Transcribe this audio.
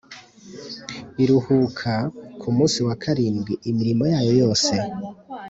iruhuka ku munsi wa karindwi imirimo yayo yose